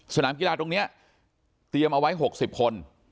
สนามกีฬาตรงนี้เตรียมเอาไว้๖๐คน